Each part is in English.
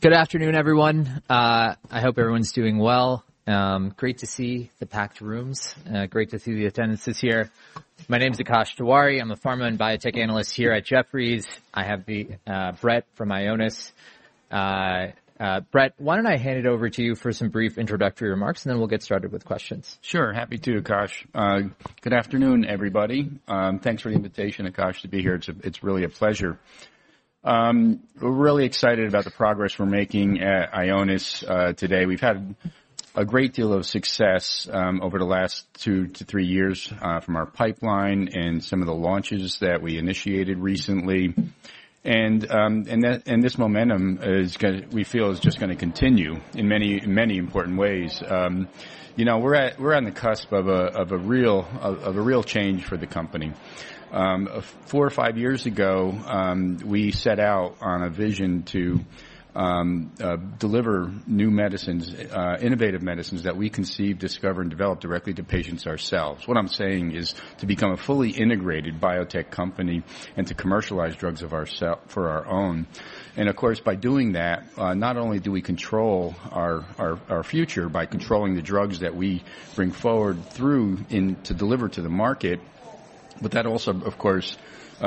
Good afternoon, everyone. I hope everyone's doing well. Great to see the packed rooms. Great to see the attendances this year. My name's Akash Tewari. I'm a pharma and biotech analyst here at Jefferies. I have Brett from Ionis. Brett, why don't I hand it over to you for some brief introductory remarks, and then we'll get started with questions. Sure. Happy to, Akash. Good afternoon, everybody. Thanks for the invitation, Akash, to be here. It's really a pleasure. We're really excited about the progress we're making at Ionis today. We've had a great deal of success over the last two to three years from our pipeline and some of the launches that we initiated recently, and this momentum we feel is just going to continue in many important ways. We're on the cusp of a real change for the company. Four or five years ago, we set out on a vision to deliver new medicines, innovative medicines that we conceived, discovered, and developed directly to patients ourselves. What I'm saying is to become a fully integrated biotech company and to commercialize drugs for our own. And of course, by doing that, not only do we control our future by controlling the drugs that we bring forward through to deliver to the market, but that also, of course,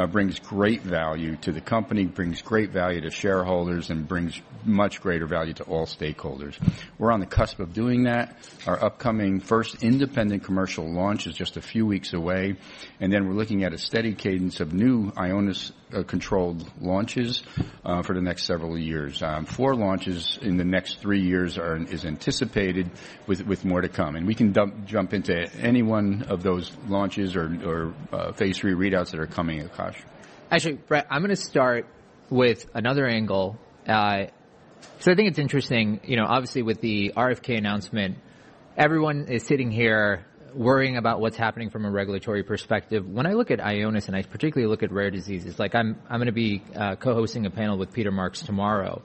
brings great value to the company, brings great value to shareholders, and brings much greater value to all stakeholders. We're on the cusp of doing that. Our upcoming first independent commercial launch is just a few weeks away. And then we're looking at a steady cadence of new Ionis-controlled launches for the next several years. Four launches in the next three years are anticipated with more to come. And we can jump into any one of those launches or phase 3 readouts that are coming, Akash. Actually, Brett, I'm going to start with another angle. So I think it's interesting. Obviously, with the RFK announcement, everyone is sitting here worrying about what's happening from a regulatory perspective. When I look at Ionis, and I particularly look at rare diseases, I'm going to be co-hosting a panel with Peter Marks tomorrow.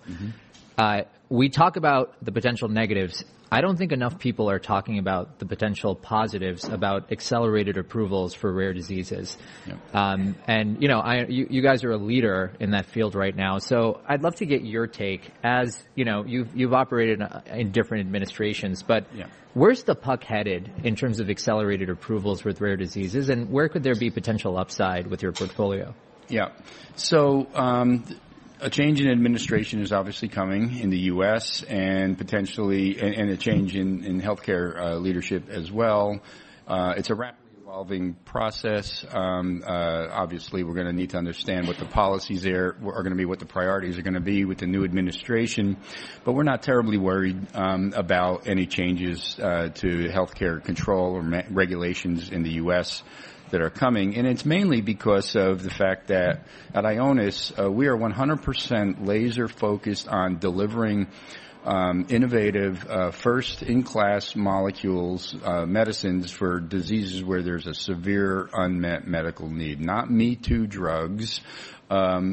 We talk about the potential negatives. I don't think enough people are talking about the potential positives about accelerated approvals for rare diseases. And you guys are a leader in that field right now. So I'd love to get your take. You've operated in different administrations, but where's the puck headed in terms of accelerated approvals with rare diseases, and where could there be potential upside with your portfolio? Yeah. So a change in administration is obviously coming in the U.S. and potentially a change in healthcare leadership as well. It's a rapidly evolving process. Obviously, we're going to need to understand what the policies are going to be, what the priorities are going to be with the new administration. But we're not terribly worried about any changes to healthcare control or regulations in the U.S. that are coming. And it's mainly because of the fact that at Ionis, we are 100% laser-focused on delivering innovative, first-in-class molecules, medicines for diseases where there's a severe unmet medical need. Not me-too drugs in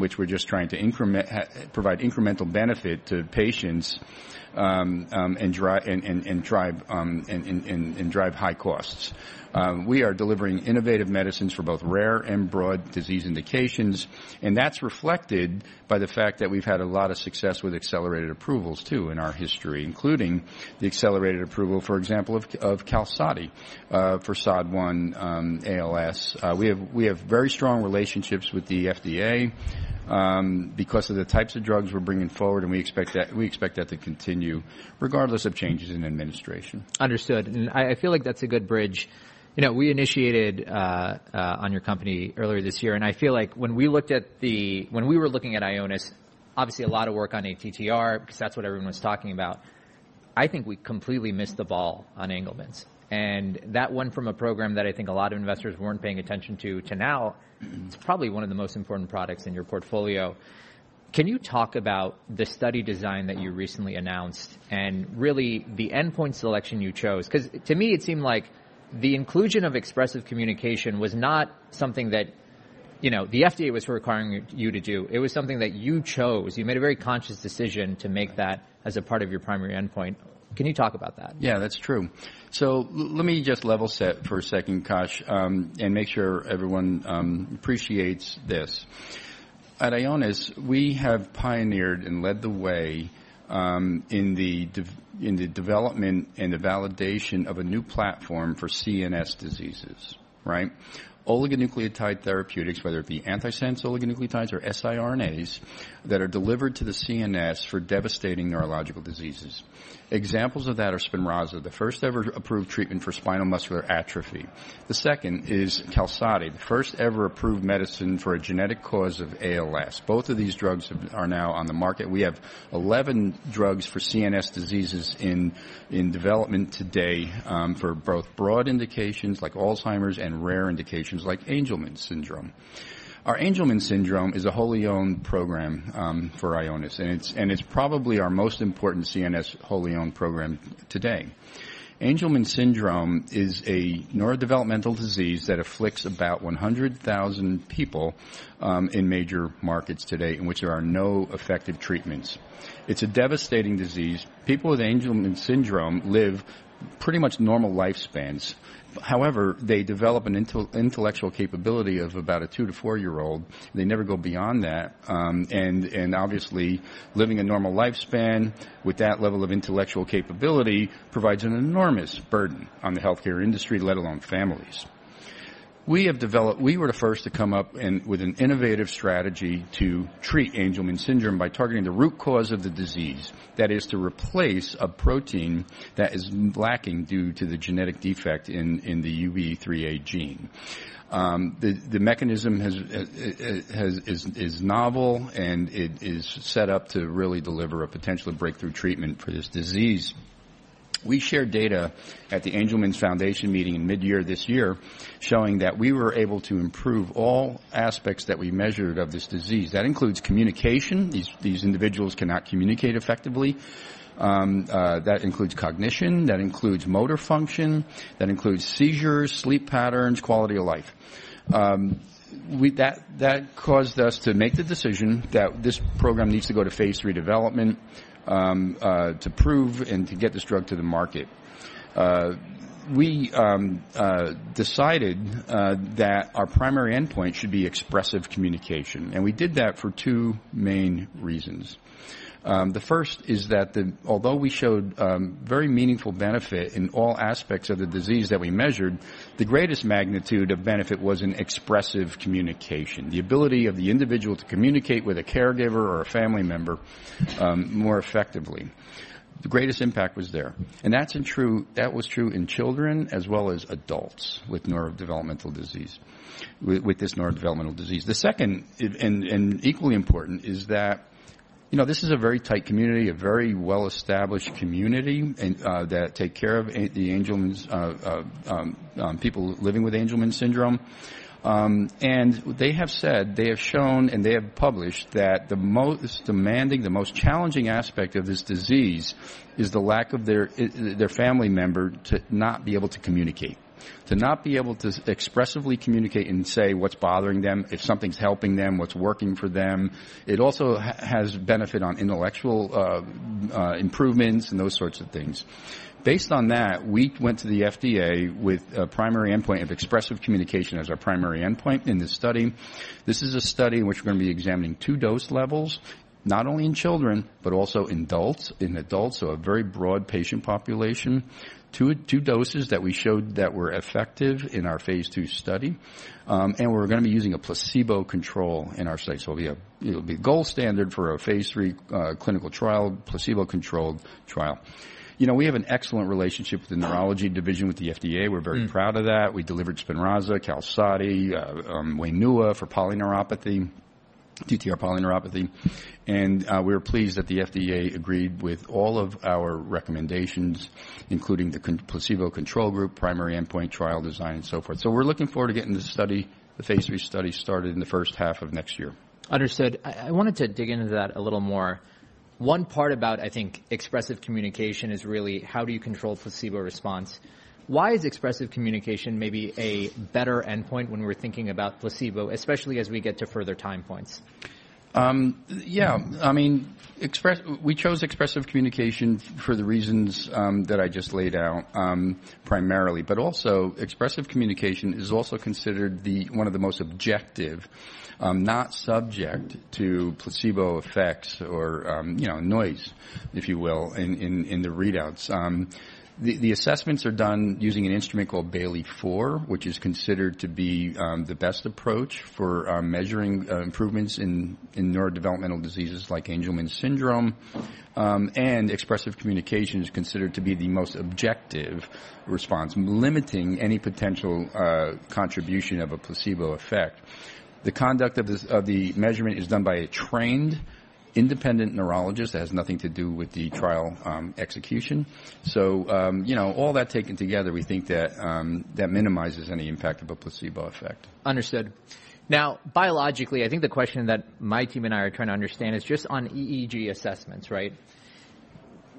which we're just trying to provide incremental benefit to patients and drive high costs. We are delivering innovative medicines for both rare and broad disease indications. That's reflected by the fact that we've had a lot of success with accelerated approvals too in our history, including the accelerated approval, for example, of Qalsody for SOD1 ALS. We have very strong relationships with the FDA because of the types of drugs we're bringing forward, and we expect that to continue regardless of changes in administration. Understood. And I feel like that's a good bridge. We initiated on your company earlier this year. And I feel like when we were looking at Ionis, obviously a lot of work on ATTR, because that's what everyone was talking about. I think we completely missed the ball on Angelman’s. And that went from a program that I think a lot of investors weren't paying attention to to now. It's probably one of the most important products in your portfolio. Can you talk about the study design that you recently announced and really the endpoint selection you chose? Because to me, it seemed like the inclusion of expressive communication was not something that the FDA was requiring you to do. It was something that you chose. You made a very conscious decision to make that as a part of your primary endpoint. Can you talk about that? Yeah, that's true. So let me just level set for a second, Akash, and make sure everyone appreciates this. At Ionis, we have pioneered and led the way in the development and the validation of a new platform for CNS diseases, right? Oligonucleotide therapeutics, whether it be antisense oligonucleotides or siRNAs that are delivered to the CNS for devastating neurological diseases. Examples of that are Spinraza, the first ever approved treatment for spinal muscular atrophy. The second is Qalsody, the first ever approved medicine for a genetic cause of ALS. Both of these drugs are now on the market. We have 11 drugs for CNS diseases in development today for both broad indications like Alzheimer's and rare indications like Angelman syndrome. Our Angelman syndrome is a wholly owned program for Ionis, and it's probably our most important CNS wholly owned program today. Angelman syndrome is a neurodevelopmental disease that afflicts about 100,000 people in major markets today in which there are no effective treatments. It's a devastating disease. People with Angelman syndrome live pretty much normal lifespans. However, they develop an intellectual capability of about a two to four-year-old. They never go beyond that. And obviously, living a normal lifespan with that level of intellectual capability provides an enormous burden on the healthcare industry, let alone families. We were the first to come up with an innovative strategy to treat Angelman syndrome by targeting the root cause of the disease. That is to replace a protein that is lacking due to the genetic defect in the UBE3A gene. The mechanism is novel and is set up to really deliver a potential breakthrough treatment for this disease. We shared data at the Angelman Foundation meeting in mid-year this year showing that we were able to improve all aspects that we measured of this disease. That includes communication. These individuals cannot communicate effectively. That includes cognition. That includes motor function. That includes seizures, sleep patterns, quality of life. That caused us to make the decision that this program needs to go to Phase 3 development to prove and to get this drug to the market. We decided that our primary endpoint should be expressive communication. And we did that for two main reasons. The first is that although we showed very meaningful benefit in all aspects of the disease that we measured, the greatest magnitude of benefit was in expressive communication, the ability of the individual to communicate with a caregiver or a family member more effectively. The greatest impact was there. That was true in children as well as adults with neurodevelopmental disease. The second and equally important is that this is a very tight community, a very well-established community that takes care of the people living with Angelman syndrome. And they have said, they have shown, and they have published that the most demanding, the most challenging aspect of this disease is the lack of their family member to not be able to communicate, to not be able to expressively communicate and say what's bothering them, if something's helping them, what's working for them. It also has benefit on intellectual improvements and those sorts of things. Based on that, we went to the FDA with a primary endpoint of expressive communication as our primary endpoint in this study. This is a study in which we're going to be examining two dose levels, not only in children, but also in adults, so a very broad patient population, two doses that we showed that were effective in our Phase 2 study. We're going to be using a placebo control in our study. It'll be a gold standard for a Phase 3 clinical trial, placebo-controlled trial. We have an excellent relationship with the neurology division with the FDA. We're very proud of that. We delivered Spinraza, Qalsody, Wainua for polyneuropathy, TTR polyneuropathy. We're pleased that the FDA agreed with all of our recommendations, including the placebo control group, primary endpoint trial design, and so forth. We're looking forward to getting the phase three study started in the first half of next year. Understood. I wanted to dig into that a little more. One part about, I think, expressive communication is really how do you control placebo response? Why is expressive communication maybe a better endpoint when we're thinking about placebo, especially as we get to further time points? Yeah. I mean, we chose expressive communication for the reasons that I just laid out primarily, but also, expressive communication is also considered one of the most objective, not subject to placebo effects or noise, if you will, in the readouts. The assessments are done using an instrument called Bayley-4, which is considered to be the best approach for measuring improvements in neurodevelopmental diseases like Angelman syndrome, and expressive communication is considered to be the most objective response, limiting any potential contribution of a placebo effect. The conduct of the measurement is done by a trained independent neurologist that has nothing to do with the trial execution, so all that taken together, we think that minimizes any impact of a placebo effect. Understood. Now, biologically, I think the question that my team and I are trying to understand is just on EEG assessments, right?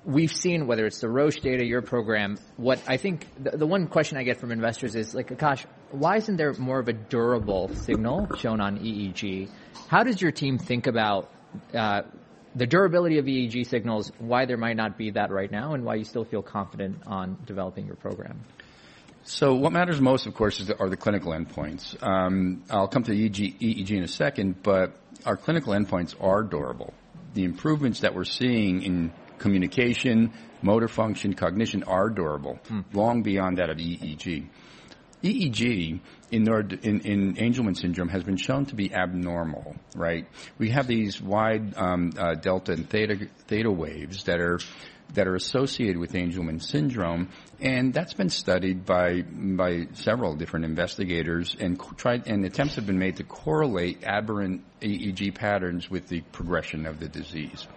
We've seen, whether it's the Roche data, your program, what I think the one question I get from investors is, like, Akash, why isn't there more of a durable signal shown on EEG? How does your team think about the durability of EEG signals, why there might not be that right now, and why you still feel confident on developing your program? What matters most, of course, are the clinical endpoints. I'll come to EEG in a second, but our clinical endpoints are durable. The improvements that we're seeing in communication, motor function, cognition are durable, long beyond that of EEG. EEG in Angelman syndrome has been shown to be abnormal, right? We have these wide delta and theta waves that are associated with Angelman syndrome. And that's been studied by several different investigators. And attempts have been made to correlate aberrant EEG patterns with the progression of the disease.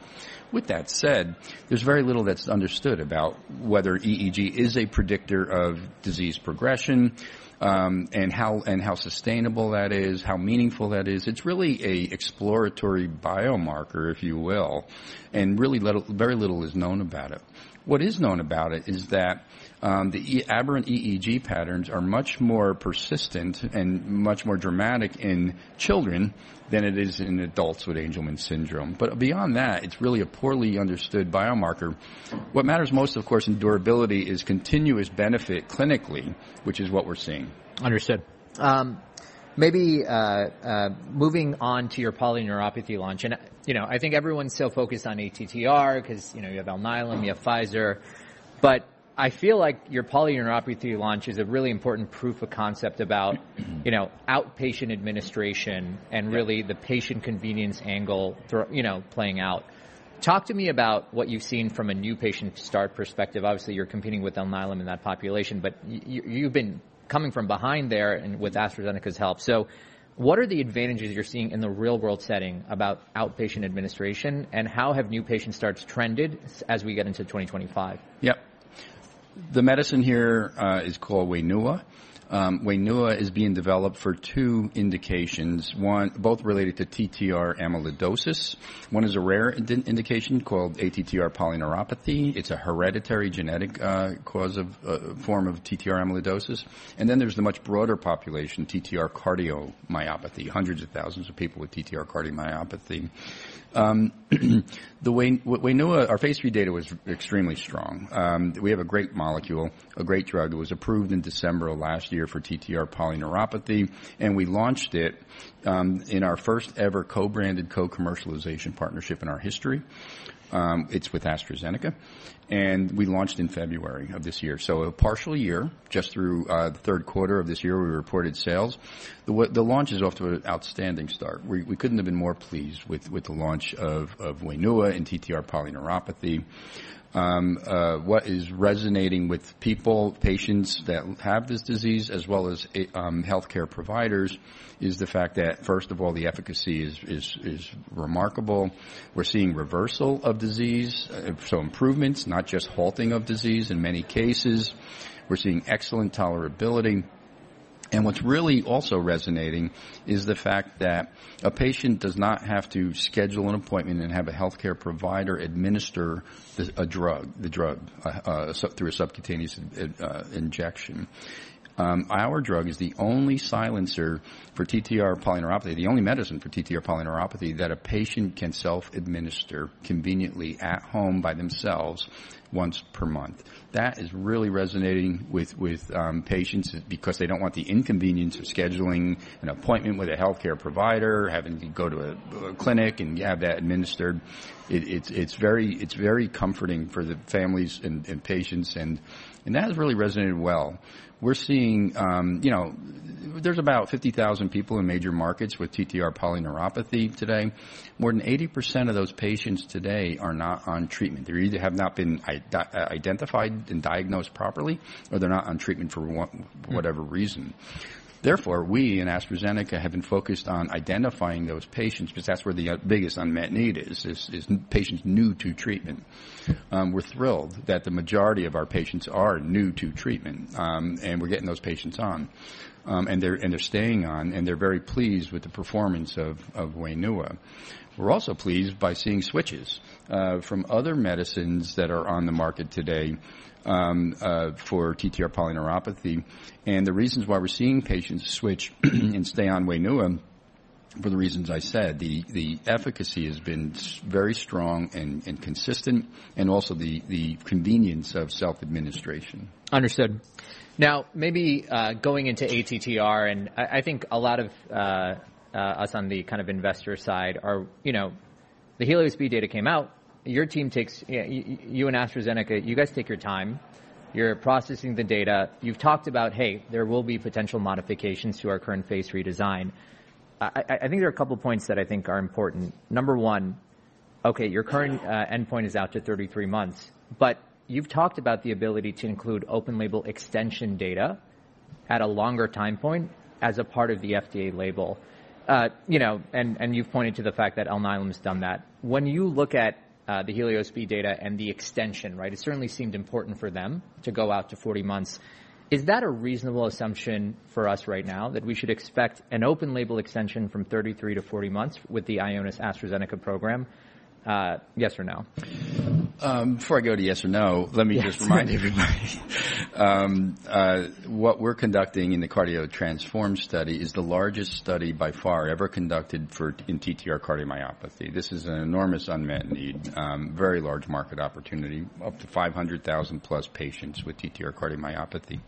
With that said, there's very little that's understood about whether EEG is a predictor of disease progression and how sustainable that is, how meaningful that is. It's really an exploratory biomarker, if you will, and really very little is known about it. What is known about it is that the aberrant EEG patterns are much more persistent and much more dramatic in children than it is in adults with Angelman syndrome. But beyond that, it's really a poorly understood biomarker. What matters most, of course, in durability is continuous benefit clinically, which is what we're seeing. Understood. Maybe moving on to your polyneuropathy launch, and I think everyone's so focused on ATTR because you have Alnylam, you have Pfizer, but I feel like your polyneuropathy launch is a really important proof of concept about outpatient administration and really the patient convenience angle playing out. Talk to me about what you've seen from a new patient start perspective. Obviously, you're competing with Alnylam in that population, but you've been coming from behind there and with AstraZeneca's help, so what are the advantages you're seeing in the real-world setting about outpatient administration, and how have new patient starts trended as we get into 2025? Yeah. The medicine here is called Wainua. Wainua is being developed for two indications, both related to TTR amyloidosis. One is a rare indication called ATTR polyneuropathy. It's a hereditary genetic form of TTR amyloidosis, and then there's the much broader population, TTR cardiomyopathy, hundreds of thousands of people with TTR cardiomyopathy. The Wainua, our phase 3 data was extremely strong. We have a great molecule, a great drug. It was approved in December of last year for TTR polyneuropathy, and we launched it in our first ever co-branded co-commercialization partnership in our history. It's with AstraZeneca, and we launched in February of this year, so a partial year, just through the third quarter of this year, we reported sales. The launch is off to an outstanding start. We couldn't have been more pleased with the launch of Wainua and TTR polyneuropathy. What is resonating with people, patients that have this disease, as well as healthcare providers, is the fact that, first of all, the efficacy is remarkable. We're seeing reversal of disease, so improvements, not just halting of disease in many cases. We're seeing excellent tolerability. And what's really also resonating is the fact that a patient does not have to schedule an appointment and have a healthcare provider administer the drug through a subcutaneous injection. Our drug is the only silencer for TTR polyneuropathy, the only medicine for TTR polyneuropathy that a patient can self-administer conveniently at home by themselves once per month. That is really resonating with patients because they don't want the inconvenience of scheduling an appointment with a healthcare provider, having to go to a clinic and have that administered. It's very comforting for the families and patients. And that has really resonated well. We're seeing there's about 50,000 people in major markets with TTR polyneuropathy today. More than 80% of those patients today are not on treatment. They either have not been identified and diagnosed properly, or they're not on treatment for whatever reason. Therefore, we in AstraZeneca have been focused on identifying those patients because that's where the biggest unmet need is, is patients new to treatment. We're thrilled that the majority of our patients are new to treatment, and we're getting those patients on, and they're staying on, and they're very pleased with the performance of Wainua. We're also pleased by seeing switches from other medicines that are on the market today for TTR polyneuropathy, and the reasons why we're seeing patients switch and stay on Wainua are for the reasons I said. The efficacy has been very strong and consistent, and also the convenience of self-administration. Understood. Now, maybe going into ATTR, and I think a lot of us on the kind of investor side are. The HELIOS-B data came out. Your team takes, you and AstraZeneca, you guys take your time. You are processing the data. You have talked about, hey, there will be potential modifications to our current phase 3 design. I think there are a couple of points that I think are important. Number one, okay, your current endpoint is out to 33 months. But you have talked about the ability to include open label extension data at a longer time point as a part of the FDA label. And you have pointed to the fact that Alnylam has done that. When you look at the HELIOS-B data and the extension, right, it certainly seemed important for them to go out to 40 months. Is that a reasonable assumption for us right now that we should expect an open label extension from 33 to 40 months with the Ionis AstraZeneca program? Yes or no? Before I go to yes or no, let me just remind everybody. What we're conducting in the Cardio-TRansform study is the largest study by far ever conducted in TTR cardiomyopathy. This is an enormous unmet need, very large market opportunity, up to 500,000 plus patients with TTR cardiomyopathy.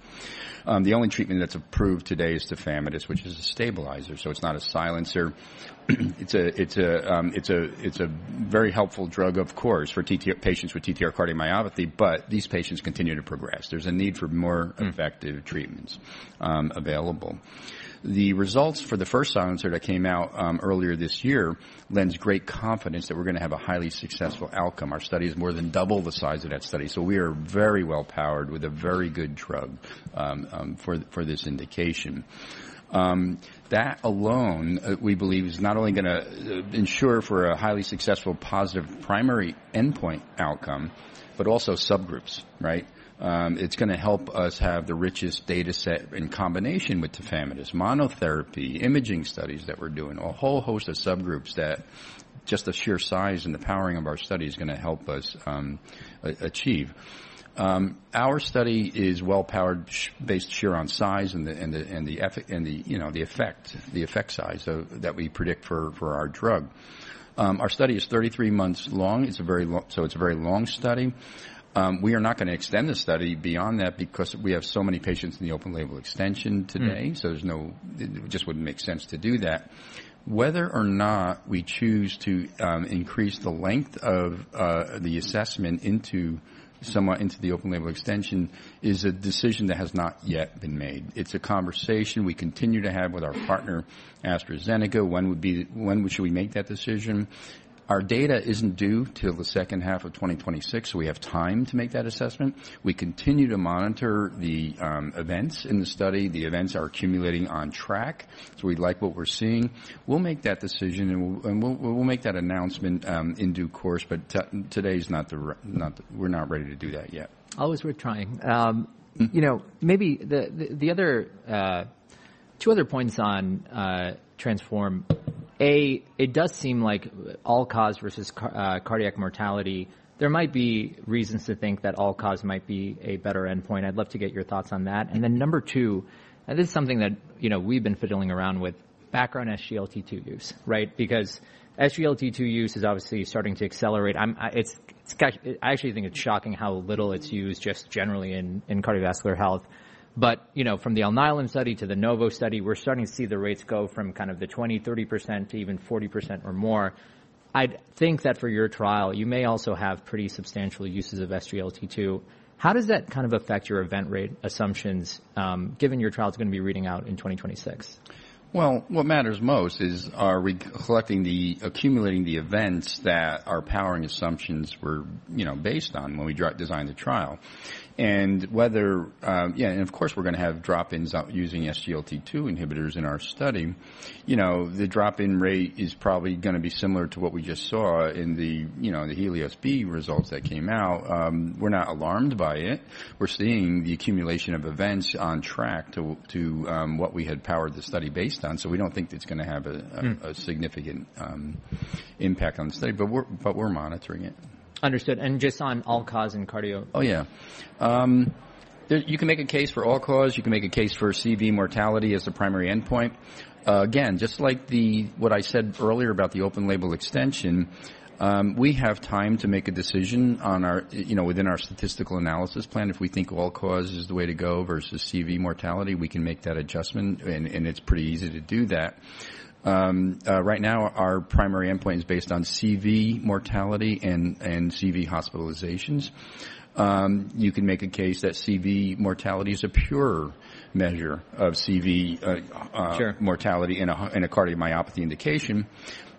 The only treatment that's approved today is tafamidis which is a stabilizer. So it's not a silencer. It's a very helpful drug, of course, for patients with TTR cardiomyopathy, but these patients continue to progress. There's a need for more effective treatments available. The results for the first silencer that came out earlier this year lend great confidence that we're going to have a highly successful outcome. Our study is more than double the size of that study. So we are very well powered with a very good drug for this indication. That alone, we believe, is not only going to ensure for a highly successful positive primary endpoint outcome, but also subgroups, right? It's going to help us have the richest data set in combination with tafamidis, monotherapy, imaging studies that we're doing, a whole host of subgroups that just the sheer size and the powering of our study is going to help us achieve. Our study is well powered, based sheerly on size and the effect size that we predict for our drug. Our study is 33 months long, so it's a very long study. We are not going to extend the study beyond that because we have so many patients in the open label extension today, so it just wouldn't make sense to do that. Whether or not we choose to increase the length of the assessment somewhat into the open label extension is a decision that has not yet been made. It's a conversation we continue to have with our partner, AstraZeneca. When should we make that decision? Our data isn't due till the second half of 2026, so we have time to make that assessment. We continue to monitor the events in the study. The events are accumulating on track. So we like what we're seeing. We'll make that decision, and we'll make that announcement in due course. But today is not. We're not ready to do that yet. Always worth trying. Maybe the other two points on Transform. A, it does seem like all-cause versus cardiac mortality. There might be reasons to think that all-cause might be a better endpoint. I'd love to get your thoughts on that. And then number two, this is something that we've been fiddling around with: background SGLT2 use, right? Because SGLT2 use is obviously starting to accelerate. I actually think it's shocking how little it's used just generally in cardiovascular health. But from the Alnylam study to the Novo study, we're starting to see the rates go from kind of the 20%-30% to even 40% or more. I'd think that for your trial, you may also have pretty substantial uses of SGLT2. How does that kind of affect your event rate assumptions, given your trial is going to be reading out in 2026? What matters most is collecting the accumulating events that our powering assumptions were based on when we designed the trial. Yeah, of course, we're going to have drop-ins using SGLT2 inhibitors in our study. The drop-in rate is probably going to be similar to what we just saw in the Helios-B results that came out. We're not alarmed by it. We're seeing the accumulation of events on track to what we had powered the study based on. We don't think it's going to have a significant impact on the study. We're monitoring it. Understood. And just on all-cause and cardio? Oh, yeah. You can make a case for all-cause. You can make a case for CV mortality as the primary endpoint. Again, just like what I said earlier about the open label extension, we have time to make a decision within our statistical analysis plan. If we think all-cause is the way to go versus CV mortality, we can make that adjustment. And it's pretty easy to do that. Right now, our primary endpoint is based on CV mortality and CV hospitalizations. You can make a case that CV mortality is a pure measure of CV mortality in a cardiomyopathy indication.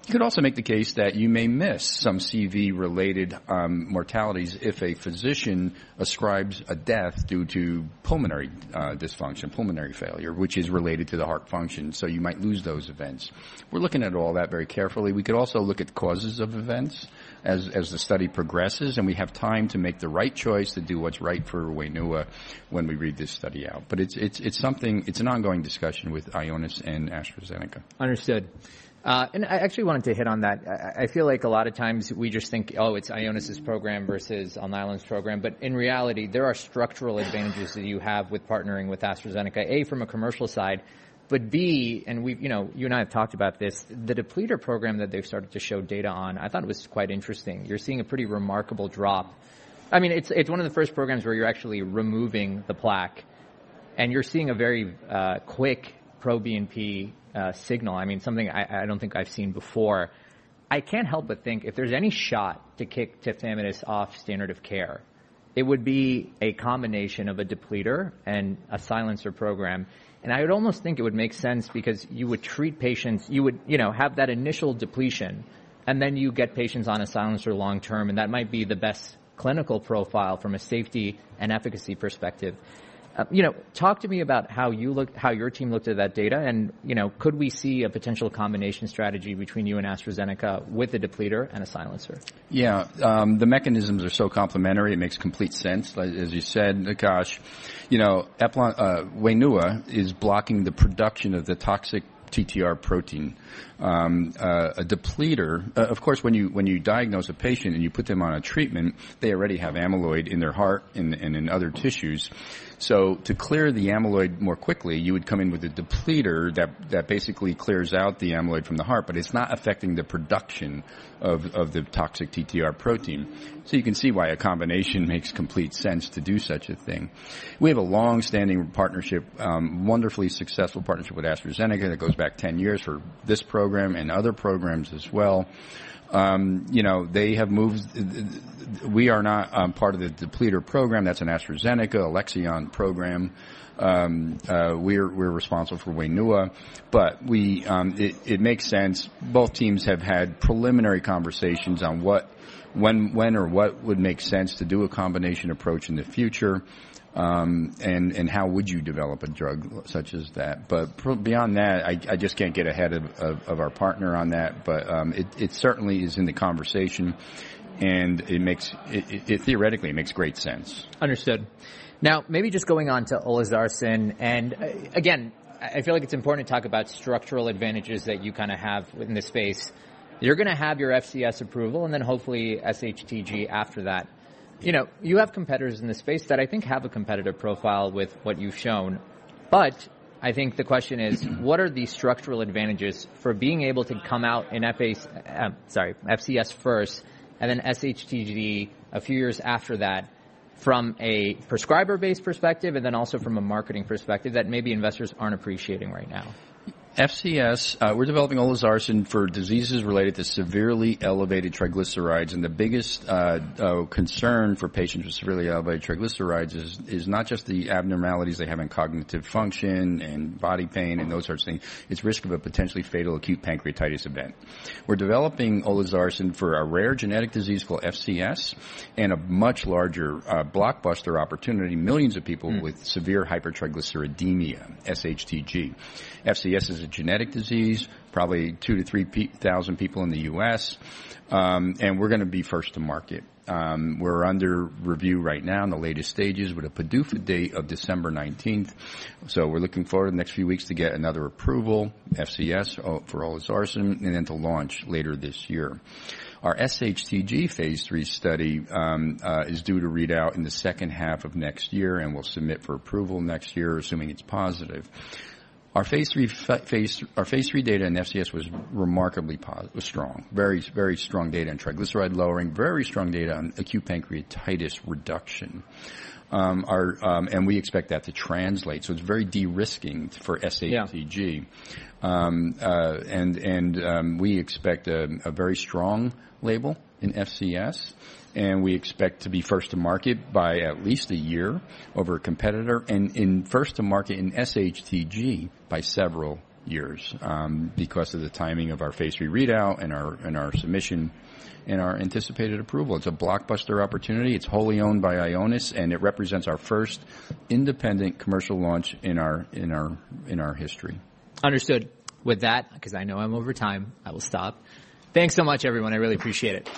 You could also make the case that you may miss some CV-related mortalities if a physician ascribes a death due to pulmonary dysfunction, pulmonary failure, which is related to the heart function. So you might lose those events. We're looking at all that very carefully. We could also look at causes of events as the study progresses, and we have time to make the right choice to do what's right for Wainua when we read this study out, but it's an ongoing discussion with Ionis and AstraZeneca. Understood. I actually wanted to hit on that. I feel like a lot of times we just think, oh, it's Ionis's program versus Alnylam's program. But in reality, there are structural advantages that you have with partnering with AstraZeneca, A, from a commercial side, but B, and you and I have talked about this, the depleter program that they've started to show data on. I thought it was quite interesting. You're seeing a pretty remarkable drop. I mean, it's one of the first programs where you're actually removing the plaque. And you're seeing a very quick proBNP signal. I mean, something I don't think I've seen before. I can't help but think if there's any shot to kick Tafamidis off standard of care, it would be a combination of a depleter and a silencer program. And I would almost think it would make sense because you would treat patients. You would have that initial depletion, and then you get patients on a silencer long-term. And that might be the best clinical profile from a safety and efficacy perspective. Talk to me about how your team looked at that data. And could we see a potential combination strategy between you and AstraZeneca with a depleter and a silencer? Yeah. The mechanisms are so complementary. It makes complete sense. As you said, gosh, Wainua is blocking the production of the toxic TTR protein. A depleter, of course, when you diagnose a patient and you put them on a treatment, they already have amyloid in their heart and in other tissues. So to clear the amyloid more quickly, you would come in with a depleter that basically clears out the amyloid from the heart, but it's not affecting the production of the toxic TTR protein. So you can see why a combination makes complete sense to do such a thing. We have a long-standing partnership, wonderfully successful partnership with AstraZeneca that goes back 10 years for this program and other programs as well. They have moved. We are not part of the depleter program. That's an AstraZeneca, Alexion program. We're responsible for Wainua. But it makes sense. Both teams have had preliminary conversations on when or what would make sense to do a combination approach in the future and how would you develop a drug such as that. But beyond that, I just can't get ahead of our partner on that. But it certainly is in the conversation. And theoretically, it makes great sense. Understood. Now, maybe just going on to olezarsen. Again, I feel like it's important to talk about structural advantages that you kind of have in this space. You're going to have your FCS approval and then hopefully SHTG after that. You have competitors in this space that I think have a competitive profile with what you've shown. But I think the question is, what are the structural advantages for being able to come out in FCS first and then SHTG a few years after that from a prescriber-based perspective and then also from a marketing perspective that maybe investors aren't appreciating right now? FCS, we're developing olezarsen for diseases related to severely elevated triglycerides. And the biggest concern for patients with severely elevated triglycerides is not just the abnormalities they have in cognitive function and body pain and those sorts of things. It's risk of a potentially fatal acute pancreatitis event. We're developing olezarsen for a rare genetic disease called FCS and a much larger blockbuster opportunity, millions of people with severe hypertriglyceridemia, SHTG. FCS is a genetic disease, probably 2,000-3,000 people in the U.S. And we're going to be first to market. We're under review right now in the latest stages with a PDUFA date of December 19th. So we're looking forward in the next few weeks to get another approval, FCS for olezarsen, and then to launch later this year. Our SHTG phase three study is due to read out in the second half of next year and will submit for approval next year, assuming it's positive. Our phase three data in FCS was remarkably strong, very strong data in triglyceride lowering, very strong data on acute pancreatitis reduction, and we expect that to translate, so it's very de-risking for SHTG, and we expect a very strong label in FCS, and we expect to be first to market by at least a year over a competitor and first to market in SHTG by several years because of the timing of our phase three readout and our submission and our anticipated approval. It's a blockbuster opportunity. It's wholly owned by Ionis, and it represents our first independent commercial launch in our history. Understood. With that, because I know I'm over time, I will stop. Thanks so much, everyone. I really appreciate it.